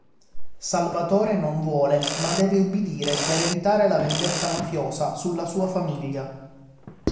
Salvatore non vuole ma deve ubbidire per evitare la vendetta mafiosa sulla sua famiglia.